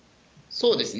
そうですね。